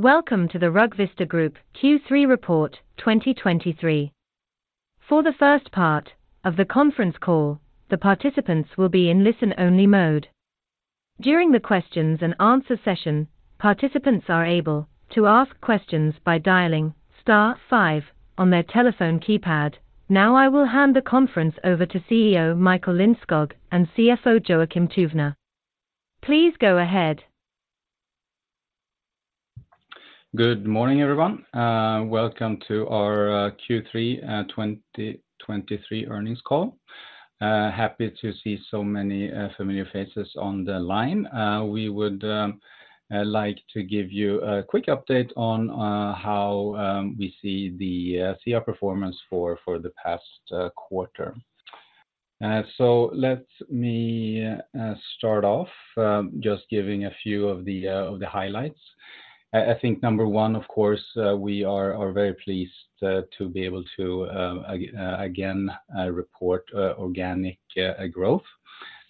Welcome to the RugVista Group Q3 Report 2023. For the first part of the conference call, the participants will be in listen-only mode. During the question-and-answer session, participants are able to ask questions by dialing star five on their telephone keypad. Now, I will hand the conference over to CEO Michael Lindskog and CFO Joakim Tuvner. Please go ahead. Good morning, everyone. Welcome to our Q3 2023 Earnings Call. Happy to see so many familiar faces on the line. We would like to give you a quick update on how we see the CR performance for the past quarter. So let me start off just giving a few of the highlights. Number one, of course, we are very pleased to be able to again report organic growth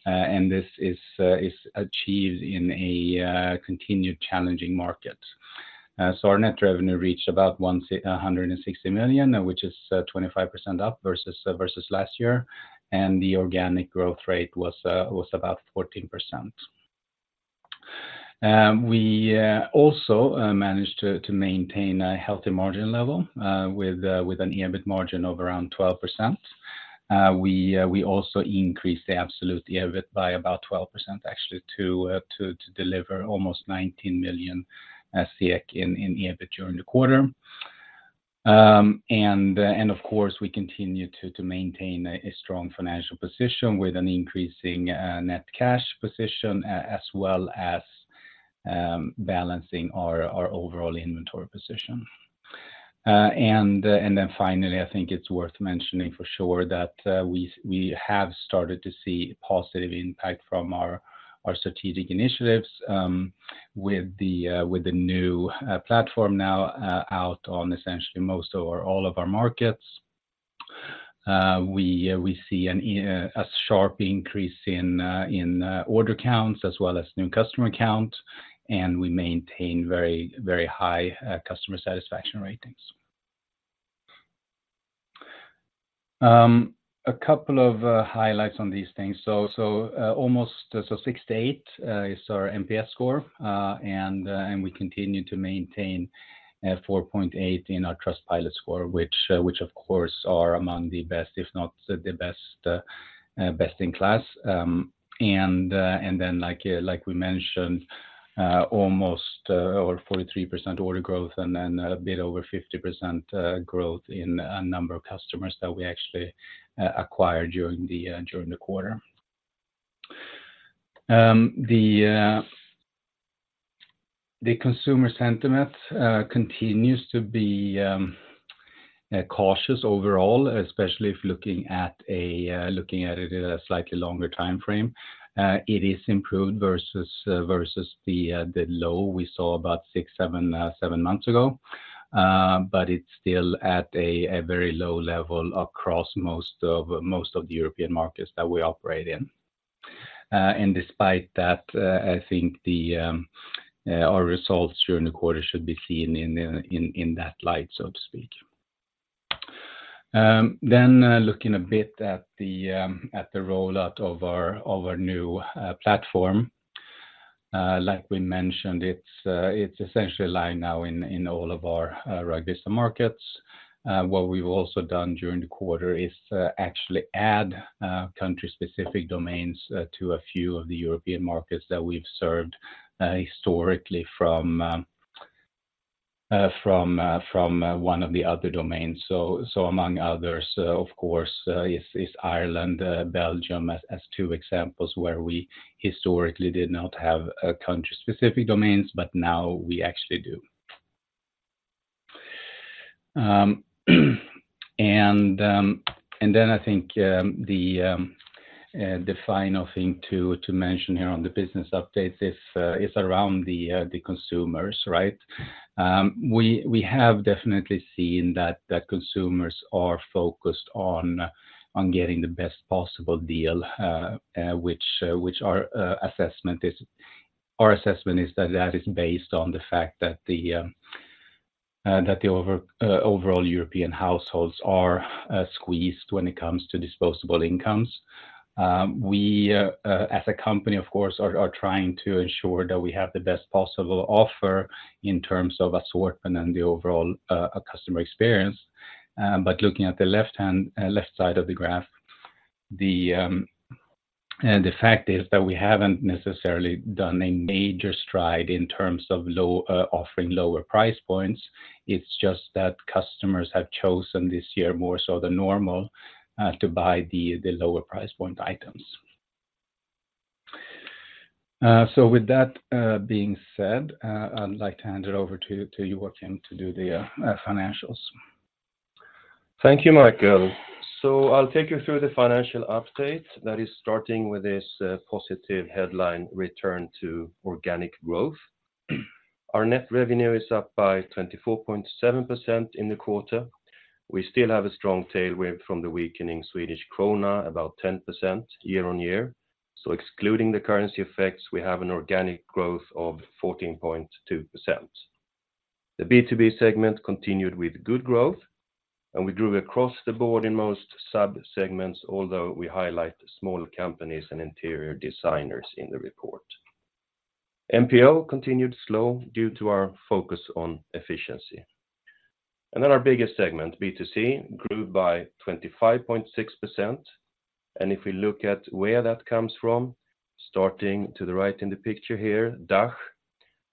and this is achieved in a continued challenging market. So our net revenue reached about 160 million, which is 25% up versus last year, and the organic growth rate was about 14%. We also managed to maintain a healthy margin level with an EBIT margin of around 12%. We also increased the absolute EBIT by about 12%, actually, to deliver almost 19 million in EBIT during the quarter. Of course, we continue to maintain a strong financial position with an increasing net cash position as well as balancing our overall inventory position. And then finally, it's worth mentioning for sure that we have started to see positive impact from our strategic initiatives with the new platform now out on essentially most or all of our markets. We see a sharp increase in order counts as well as new customer accounts, and we maintain very, very high customer satisfaction ratings. A couple of highlights on these things. Almost 68 is our NPS score, and we continue to maintain 4.8 in our Trustpilot score, which of course are among the best, if not the best, best in class. And then like we mentioned, almost over 43% order growth, and then a bit over 50% growth in a number of customers that we actually acquired during the quarter. The consumer sentiment continues to be cautious overall, especially if looking at it at a slightly longer timeframe. It is improved versus the low we saw about six, seven months ago. But it's still at a very low level across most of the European markets that we operate in. And despite that, our results during the quarter should be seen in that light, so to speak. Then, looking a bit at the rollout of our new platform. Like we mentioned, it's essentially live now in all of our RugVista markets. What we've also done during the quarter is actually add country-specific domains to a few of the European markets that we've served historically from one of the other domains. So among others, of course, is Ireland, Belgium, as two examples where we historically did not have country-specific domains, but now we actually do. And then the final thing to mention here on the business update is around the consumers, right? We have definitely seen that the consumers are focused on getting the best possible deal, which our assessment is. Our assessment is that that is based on the fact that the overall European households are squeezed when it comes to disposable incomes. We as a company, of course, are trying to ensure that we have the best possible offer in terms of assortment and the overall customer experience. But looking at the left-hand side of the graph, and the fact is that we haven't necessarily done a major stride in terms of offering lower price points. It's just that customers have chosen this year, more so than normal, to buy the lower price point items. So with that being said, I'd like to hand it over to Joakim to do the financials. Thank you, Michael. So I'll take you through the financial update, that is starting with this positive headline, return to organic growth. Our net revenue is up by 24.7% in the quarter. We still have a strong tailwind from the weakening Swedish krona, about 10% year-over-year. So excluding the currency effects, we have an organic growth of 14.2%. The B2B segment continued with good growth, and we grew across the board in most sub-segments, although we highlight small companies and interior designers in the report. MPO continued slow due to our focus on efficiency. And then our biggest segment, B2C, grew by 25.6%. If we look at where that comes from, starting to the right in the picture here, DACH,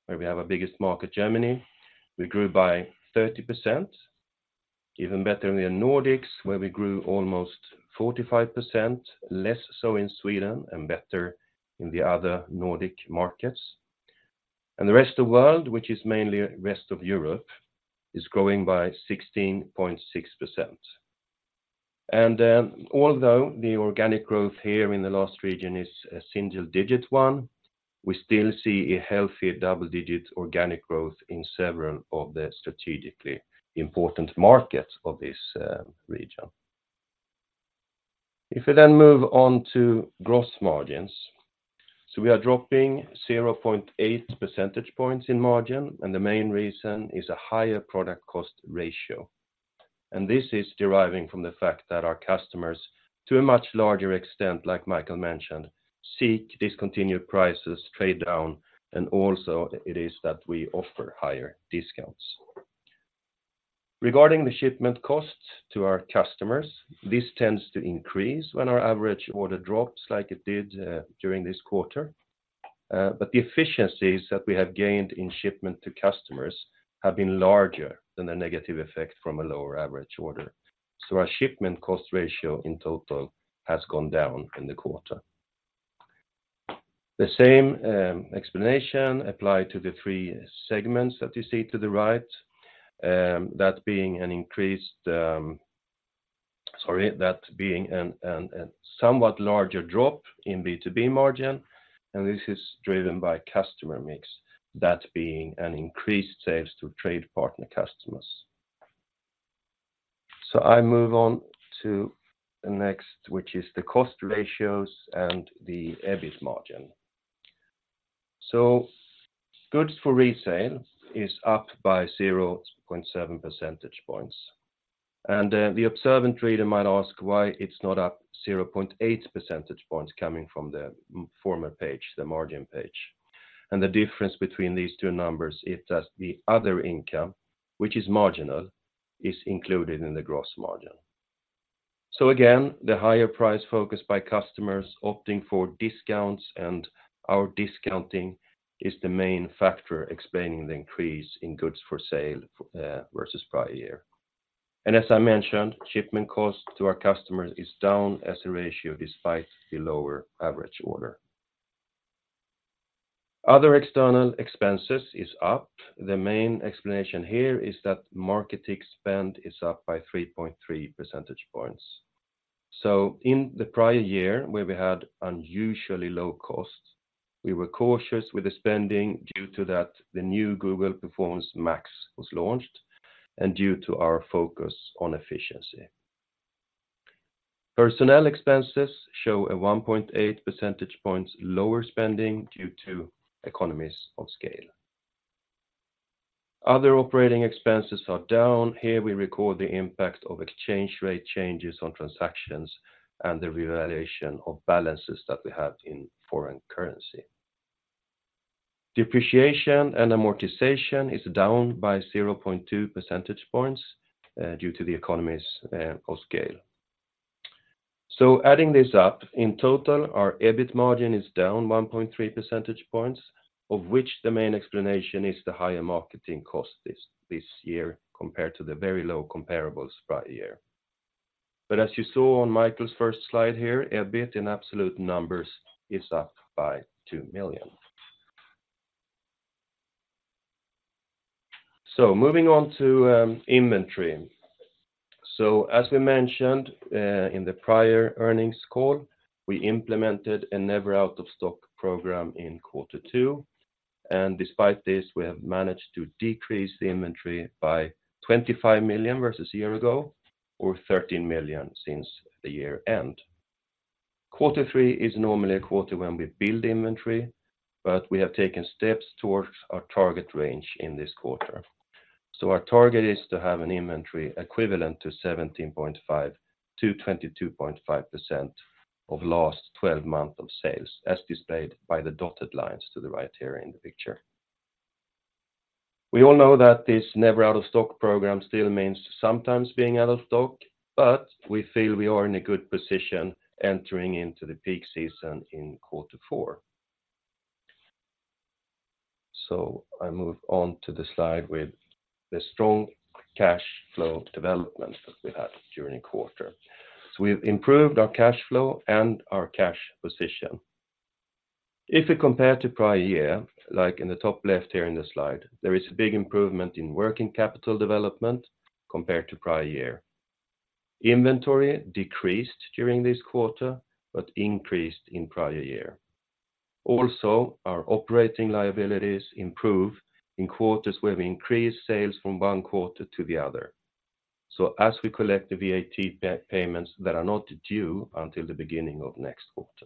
where we have our biggest market, Germany, we grew by 30%, even better in the Nordics, where we grew almost 45%, less so in Sweden and better in the other Nordic markets. And the Rest of World, which is mainly the rest of Europe, is growing by 16.6%. And, although the organic growth here in the last region is a single-digit one, we still see a healthy double-digit organic growth in several of the strategically important markets of this, region. If we then move on to gross margins, we are dropping 0.8 percentage points in margin, and the main reason is a higher product cost ratio. This is deriving from the fact that our customers, to a much larger extent, as Michael mentioned, seek discounted prices, trade down, and also it is that we offer higher discounts. Regarding the shipment costs to our customers, this tends to increase when our average order drops, as it did during this quarter. But the efficiencies that we have gained in shipment to customers have been larger than the negative effect from a lower average order. So our shipment cost ratio in total has gone down in the quarter. The same explanation apply to the three segments that you see to the right, that being a somewhat larger drop in B2B margin, and this is driven by customer mix, that being increased sales to trade partner customers. I move on to the next, which is the cost ratios and the EBIT margin. Goods for resale are up by 0.7 percentage points, and the observant reader might ask why it's not up 0.8 percentage points, coming from the former page, the margin page. The difference between these two numbers is that the other income, which is marginal, is included in the gross margin. Again, the higher price focus by customers opting for discounts and our discounting is the main factor explaining the increase in goods for sale versus the prior year. As I mentioned, shipment cost to our customers is down as a ratio despite the lower average order. Other external expenses is up. The main explanation here is that marketing spend is up by 3.3 percentage points. So in the prior year, where we had unusually low costs, we were cautious with the spending because the new Google Performance Max was launched and due to our focus on efficiency. Personnel expenses show a 1.8 percentage points lower spending due to economies of scale. Other operating expenses are down. Here we record the impact of exchange rate changes on transactions and the revaluation of balances that we have in foreign currency. Depreciation and amortization is down by 0.2 percentage points due to economies of scale. So adding this up, in total, our EBIT margin is down 1.3 percentage points, of which the main explanation is the higher marketing cost this, this year, compared to the very low comparables prior year. As you saw on Michael's first slide here, EBIT in absolute numbers is up by 2 million. Moving on to inventory. As we mentioned in the prior earnings call, we implemented a never-out-of-stock program in quarter two, and despite this, we have managed to decrease the inventory by 25 million versus a year ago, or 13 million since the year-end. Quarter three is normally a quarter when we build inventory, but we have taken steps towards our target range in this quarter. Our target is to have an inventory equivalent to 17.5%-22.5% of the last 12 months of sales, as displayed by the dotted lines to the right here in the picture. We all know that this never out-of-stock program still means sometimes being out of stock, but we feel we are in a good position entering into the peak season in quarter four. I move on to the slide with the strong cash flow development that we had during the quarter. We've improved our cash flow and our cash position. If we compare to prior year, like in the top left here in the slide, there is a big improvement in working capital development compared to prior year. Inventory decreased during this quarter, but increased in prior year. Also, our operating liabilities improve in quarters where we increase sales from one quarter to the other. As we collect the VAT payments that are not due until the beginning of next quarter.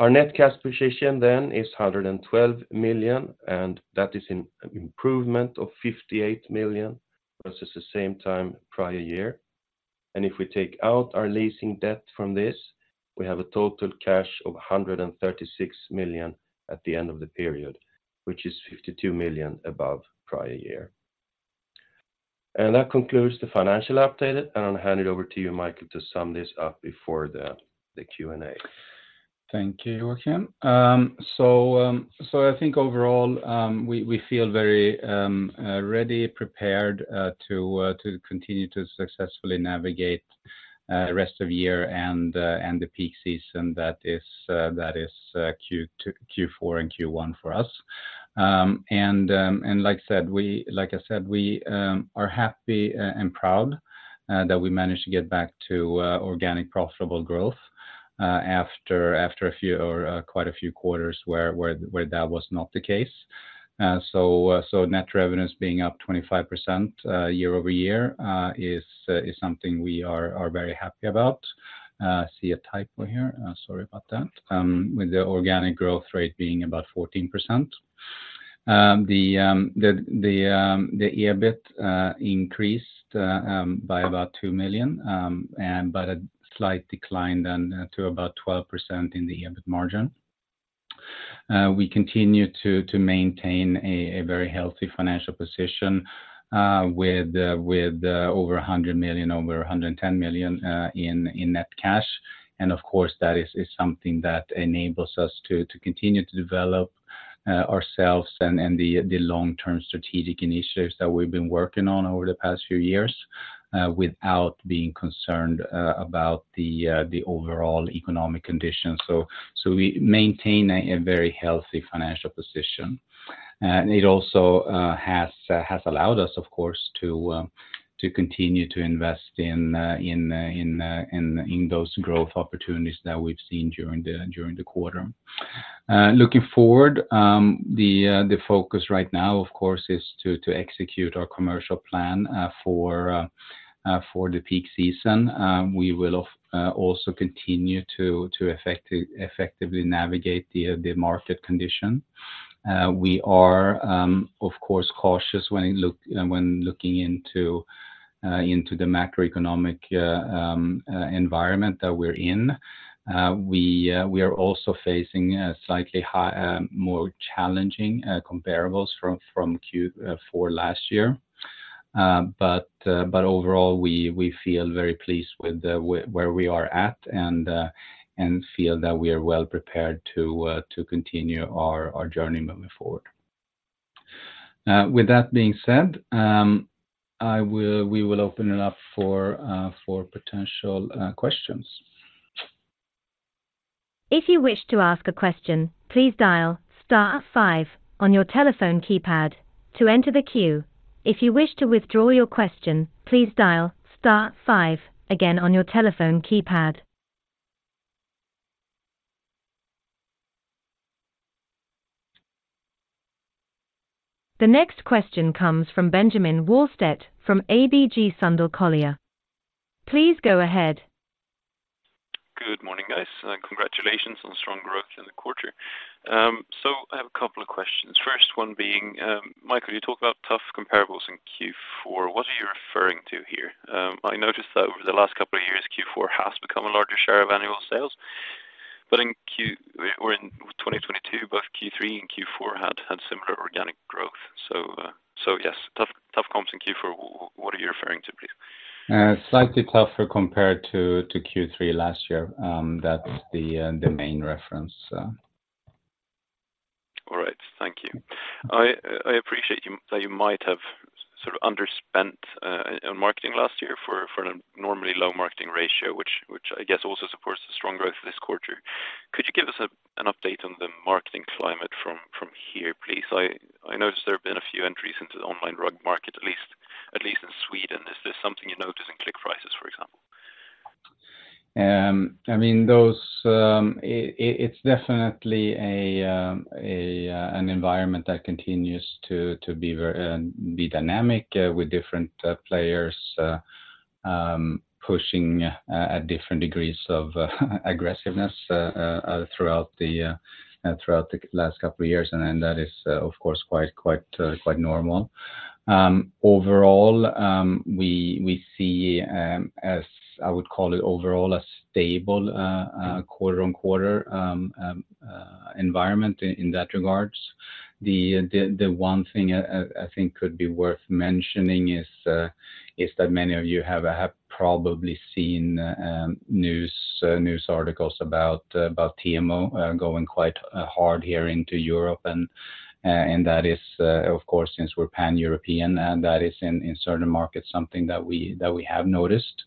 Our net cash position then is 112 million, and that is an improvement of 58 million versus the same time prior year. If we take out our leasing debt from this, we have a total cash of 136 million at the end of the period, which is 52 million above prior year. That concludes the financial update, and I'll hand it over to you, Michael, to sum this up before the Q&A. Thank you, Joakim. So, I think overall, we feel very ready, prepared, to continue to successfully navigate the rest of the year and the peak season that is Q4 and Q1 for us. And like I said, we are happy and proud that we managed to get back to organic, profitable growth after quite a few quarters where that was not the case. So, net revenues being up 25% year-over-year is something we are very happy about. I see a typo here. Sorry about that. With the organic growth rate being about 14%. The EBIT increased by about 2 million, and but a slight decline then to about 12% in the EBIT margin. We continue to maintain a very healthy financial position with over 100 million, over 110 million in net cash. And of course, that is something that enables us to continue to develop ourselves and the long-term strategic initiatives that we've been working on over the past few years without being concerned about the overall economic conditions. So we maintain a very healthy financial position, and it also has allowed us, of course, to continue to invest in those growth opportunities that we've seen during the quarter. Looking forward, the focus right now, of course, is to execute our commercial plan for the peak season. We will also continue to effectively navigate the market condition. We are, of course, cautious when looking into the macroeconomic environment that we're in. We are also facing a slightly higher, more challenging comparables from Q4 last year. But overall, we feel very pleased with where we are at, and feel that we are well prepared to continue our journey moving forward. With that being said, we will open it up for potential questions. If you wish to ask a question, please dial star five on your telephone keypad to enter the queue. If you wish to withdraw your question, please dial star five again on your telephone keypad. The next question comes from Benjamin Wahlstedt, from ABG Sundal Collier. Please go ahead. Good morning, guys, and congratulations on strong growth in the quarter. So I have a couple of questions. First one being, Michael, you talked about tough comparables in Q4. What are you referring to here? I noticed that over the last couple of years, Q4 has become a larger share of annual sales, but in 2022, both Q3 and Q4 had similar organic growth. So yes, tough comps in Q4, what are you referring to, please? Slightly tougher compared to Q3 last year. That's the main reference. All right. Thank you. I appreciate that you might have underspent on marketing last year for a normally low marketing ratio, which also supports the strong growth this quarter. Could you give us an update on the marketing climate from, from here, please? I noticed there have been a few entries into the online rug market, at least in Sweden. Is this something you notice in click prices, for example? It's definitely an environment that continues to be very dynamic with different players pushing at different degrees of aggressiveness throughout the last couple of years. And that is, of course, quite normal. Overall, we see, as I would call it, a stable quarter-on-quarter environment in that regard. The one thing I think could be worth mentioning is that many of you have probably seen news articles about TMO going quite hard here in Europe. That is, of course, since we're Pan-European, and that is in certain markets, something that we have noticed.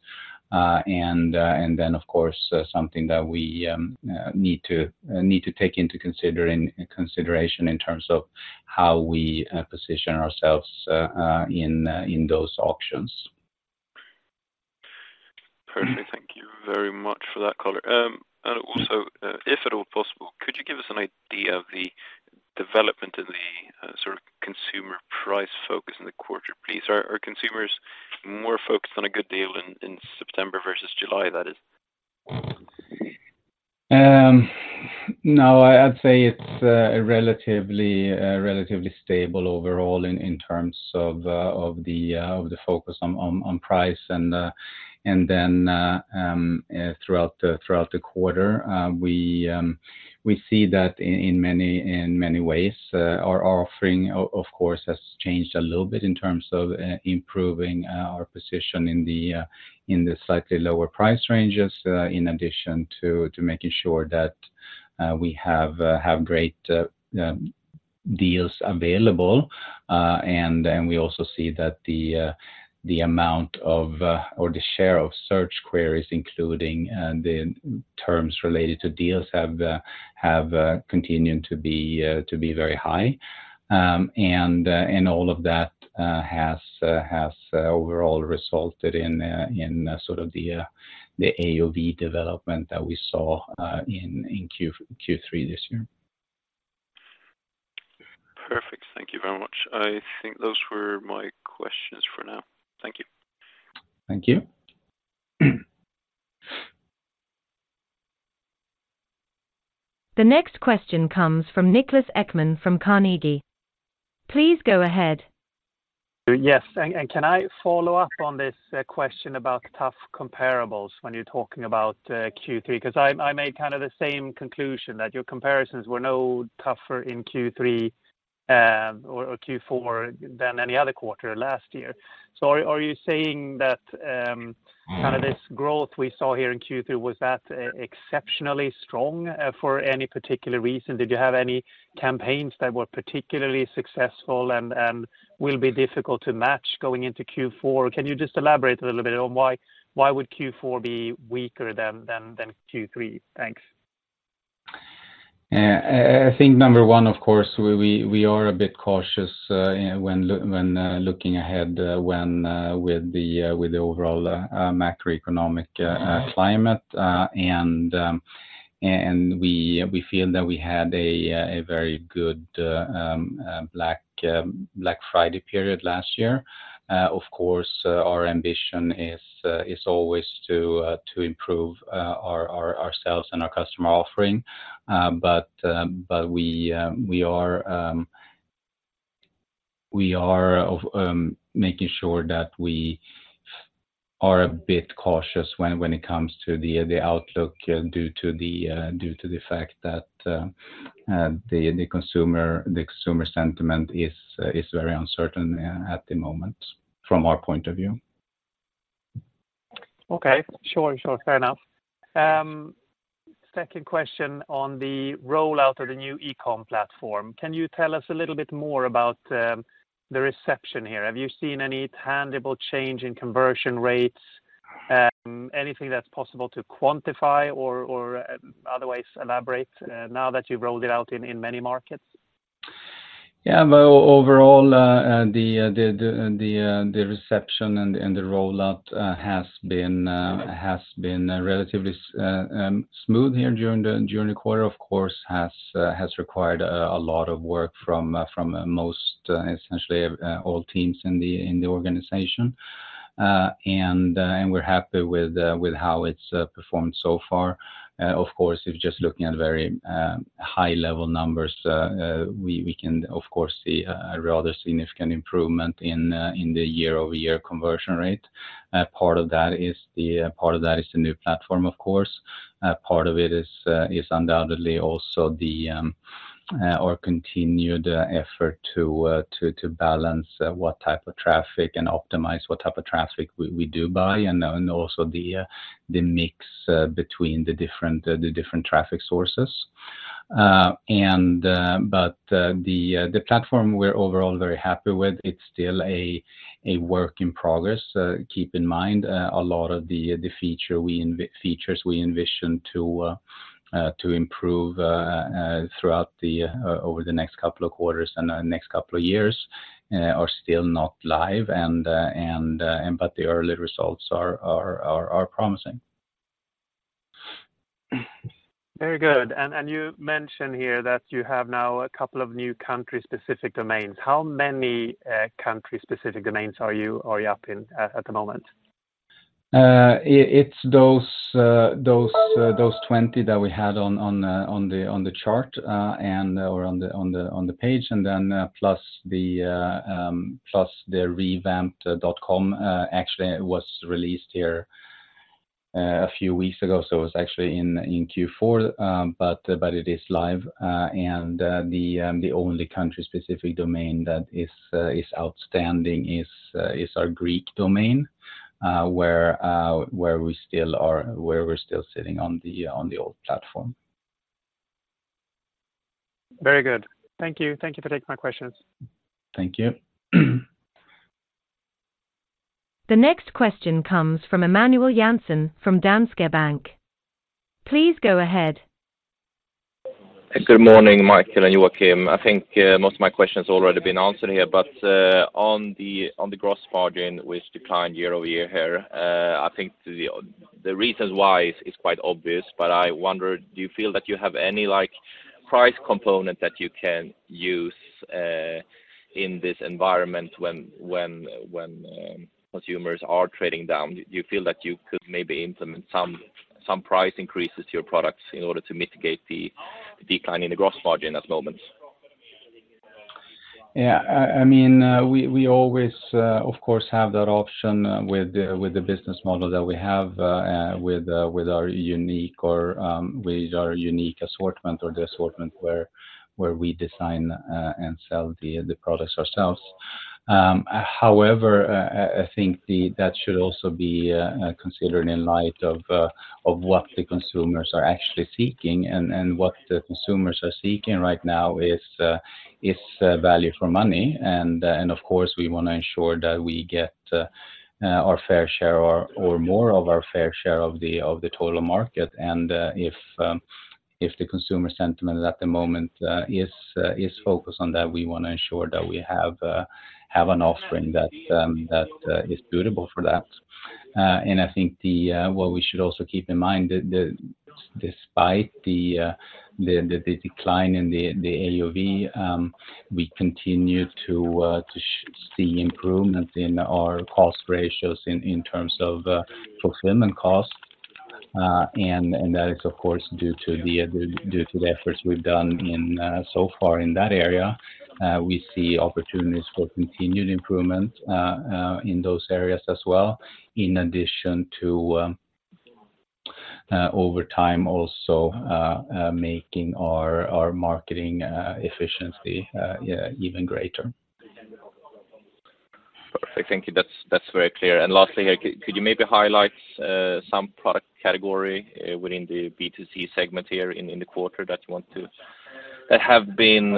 Then, of course, something that we need to take into consideration in terms of how we position ourselves in those auctions. Perfect. Thank you very much for that, color. And also, if at all possible, could you give us an idea of the development in the consumer price focus in the quarter, please? Are consumers more focused on a good deal in September versus July, that is? No, I'd say it's a relatively stable overall in terms of the focus on price and then throughout the quarter. We see that in many ways. Our offering, of course, has changed a little bit in terms of improving our position in the slightly lower price ranges, in addition to making sure that we have great deals available. And then we also see that the amount or the share of search queries, including the terms related to deals have continued to be very high. All of that has overall resulted in the AOV development that we saw in Q3 this year. Perfect. Thank you very much. I think those were my questions for now. Thank you. Thank you. The next question comes from Niklas Ekman from Carnegie. Please go ahead. Yes, and can I follow up on this question about tough comparables when you're talking about Q3? 'Cause I made kind of the same conclusion that your comparisons were no tougher in Q3, or Q4, than any other quarter last year. Are you saying that growth we saw here in Q3 was exceptionally strong for any particular reason? Did you have any campaigns that were particularly successful and will be difficult to match going into Q4? Can you just elaborate a little bit on why Q4 would be weaker than Q3? Thanks. I think number one, of course, we are a bit cautious when looking ahead with the overall macroeconomic climate. And we feel that we had a very good Black Friday period last year. Of course, our ambition is always to improve ourselves and our customer offering. But we are making sure that we are a bit cautious when it comes to the outlook due to the fact that the consumer sentiment is very uncertain at the moment, from our point of view. Okay. Sure. Fair enough. Second question on the rollout of the new e-commerce platform. Can you tell us a little bit more about the reception here? Have you seen any tangible change in conversion rates? Anything that's possible to quantify or elaborate on in other ways elaborate now that you've rolled it out in many markets? Overall, the reception and the rollout have been relatively smooth here during the quarter. Of course, has required a lot of work from most, essentially, all teams in the organization. And we're happy with how it's performed so far. Of course, if just looking at very high level numbers, we can, of course, see a rather significant improvement in the year-over-year conversion rate. Part of that is the new platform, of course. Part of it is undoubtedly also our continued effort to balance what type of traffic and optimize what type of traffic we do buy, and also the mix between the different traffic sources. But the platform, we're overall very happy with. It's still a work in progress. Keep in mind a lot of the features we envision to improve over the next couple of quarters and the next couple of years are still not live. But the early results are promising. Very good. And you mentioned here that you now have a couple of new country-specific domains. How many country-specific domains are you up in at the moment? It's those 20 that we had on the chart, or on the page, and then plus the revamped .com, actually was released here a few weeks ago. So it's actually in Q4, but it is live. And the only country-specific domain that is outstanding is our Greek domain, where we're still sitting on the old platform. Very good. Thank you. Thank you for taking my questions. Thank you. The next question comes from Emanuel Jansson from Danske Bank. Please go ahead. Good morning, Michael and Joakim. I think, most of my questions have already been answered here, but, on the gross margin, which declined year-over-year here, I think the reasons why is quite obvious, but I wonder, do you feel that you have any, like, price component that you can use, in this environment when consumers are trading down? Do you feel that you could maybe implement some price increases to your products in order to mitigate the decline in the gross margin at the moment? We always, of course, have that option with the business model that we have with our unique assortment or the assortment where we design and sell the products ourselves. However, I think that should also be considered in light of what the consumers are actually seeking, and what the consumers are seeking right now is value for money. And, of course, we want to ensure that we get our fair share or more of our fair share of the total market. If the consumer sentiment at the moment is focused on that, we want to ensure that we have an offering that is suitable for that. I think what we should also keep in mind that despite the decline in the AOV, we continue to see improvement in our cost ratios in terms of fulfillment costs. And that is, of course, due to the efforts we've done so far in that area. We see opportunities for continued improvement in those areas as well, in addition to over time also making our marketing efficiency yeah even greater. Perfect. Thank you. That's, that's very clear. And lastly here, could you maybe highlight some product category within the B2C segment here in the quarter that you want to, that have been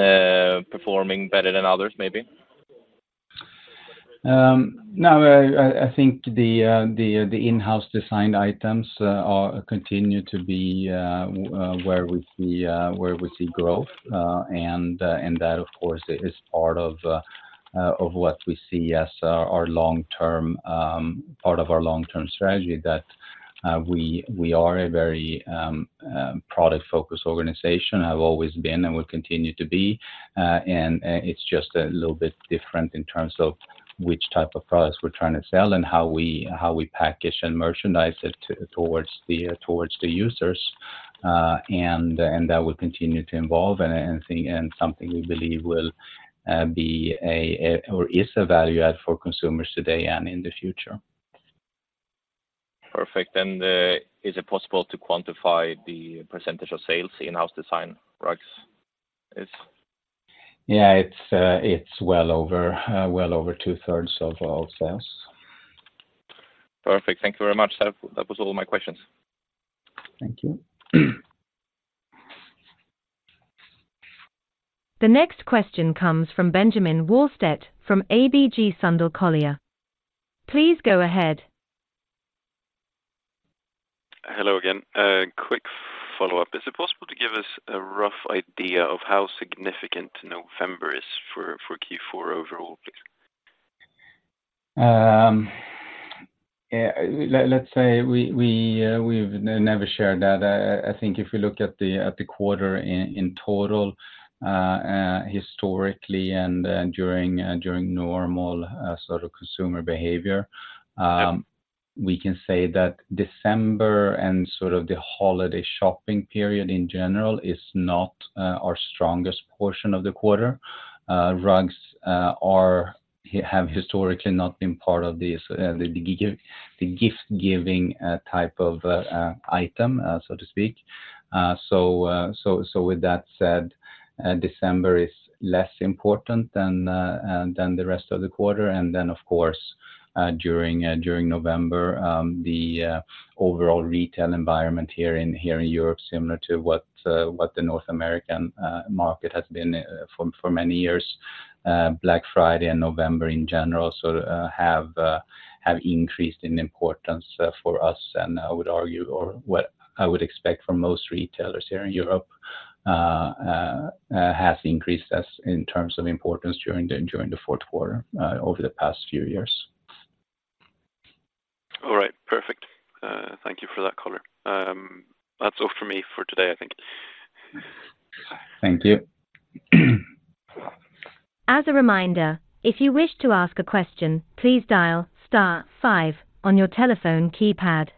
performing better than others, maybe? No, I think the in-house designed items are continue to be where we see growth. And that, of course, is part of of what we see as our long-term part of our long-term strategy, that we are a very product-focused organization, have always been and will continue to be. And it's just a little bit different in terms of which type of products we're trying to sell and how we package and merchandise it towards the users. And that will continue to evolve and something we believe will be a or is a value add for consumers today and in the future. Perfect. And, is it possible to quantify the percentage of sales, the in-house design products is? It's well over 2/3 of all sales. Perfect. Thank you very much. That was all my questions. Thank you. The next question comes from Benjamin Wahlstedt, from ABG Sundal Collier. Please go ahead. Hello again. A quick follow-up. Is it possible to give us a rough idea of how significant November is for, for Q4 overall, please? Let's say we've never shared that. I think if you look at the quarter in total, historically and during normal consumer behavior we can say that December and the holiday shopping period in general is not our strongest portion of the quarter. Rugs have historically not been part of this, the gift-giving type of item, so to speak. So with that said, December is less important than the rest of the quarter. And then, of course, during November, the overall retail environment here in Europe, similar to what the North American market has been for many years, Black Friday and November in general have increased in importance for us. I would argue, that what I would expect from most retailers here in Europe, has increased as in terms of importance during the fourth quarter over the past few years. All right. Perfect. Thank you for that color. That's all for me for today, I think. Thank you. As a reminder, if you wish to ask a question, please dial star five on your telephone keypad.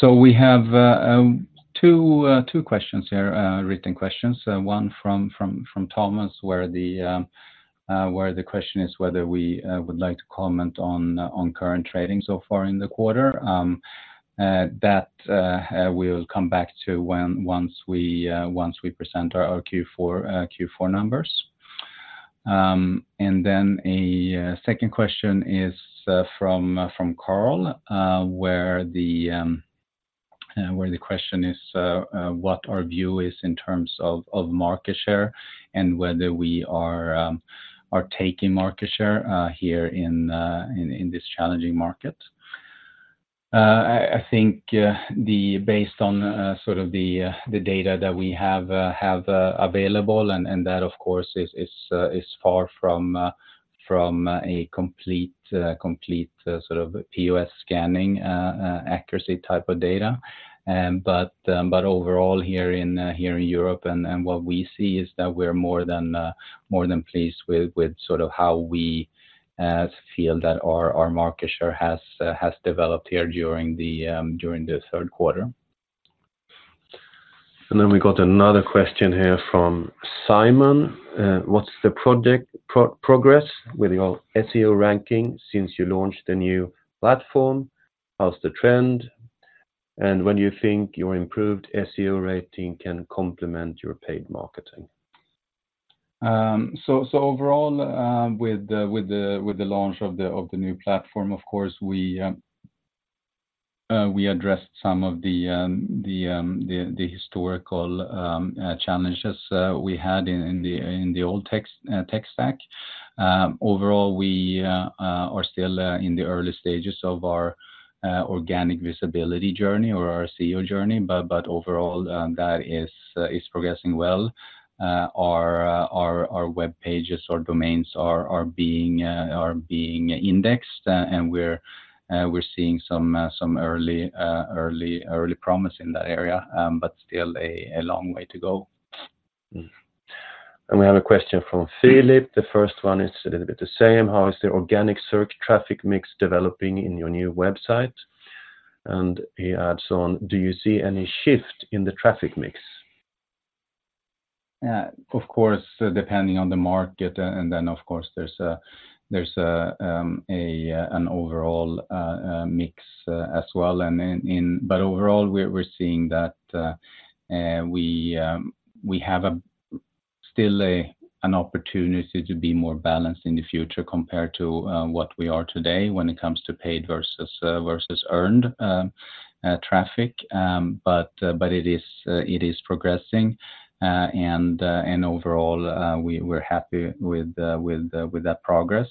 So we have two questions here, written questions. One from Thomas, where the question is whether we would like to comment on current trading so far in the quarter. That we'll come back to once we present our Q4 numbers. And then a second question is from Carl, and where the question is what our view is in terms of market share, and whether we are taking market share here in this challenging market? Based on the data that we have available, and that, of course, is far from a complete POS scanning accuracy type of data. But overall here in Europe and what we see is that we're more than pleased with how we feel that our market share has developed here during the third quarter. And then we got another question here from Simon: What's the progress with your SEO ranking since you launched the new platform? How's the trend, and when you think your improved SEO rating can complement your paid marketing? So overall, with the launch of the new platform, of course, we addressed some of the historical challenges we had in the old tech stack. Overall, we are still in the early stages of our organic visibility journey or our SEO journey, but overall, that is progressing well. Our web pages or domains are being indexed, and we're seeing some early promise in that area, but still a long way to go. And we have a question from Philip. The first one is a little bit the same: How is the organic search traffic mix developing in your new website? And he adds on, "Do you see any shift in the traffic mix?" Of course, depending on the market, and then, of course, there's an overall mix as well. But overall, we're seeing that we still have an opportunity to be more balanced in the future compared to what we are today when it comes to paid versus earned traffic. But it is progressing, and overall, we're happy with that progress.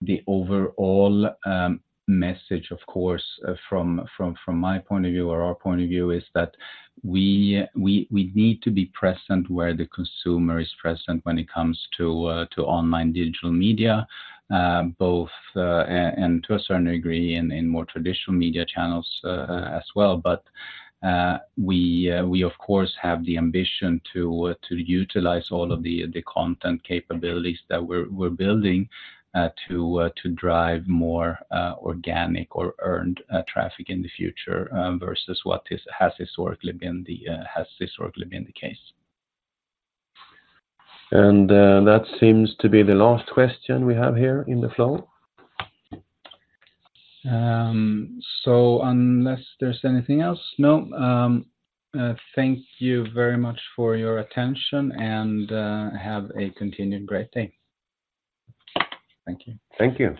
The overall message, of course, from my point of view or our point of view, is that we need to be present where the consumer is present when it comes to online digital media, both and to a certain degree, in more traditional media channels, as well. But we, of course, have the ambition to utilize all of the content capabilities that we're building to drive more organic or earned traffic in the future, versus what has historically been the case. That seems to be the last question we have here in the flow. So unless there's anything else, thank you very much for your attention, and have a continued great day. Thank you. Thank you.